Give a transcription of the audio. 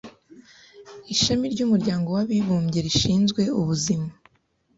Ishami ry’Umuryango w’abibumbye rishinzwe ubuzima,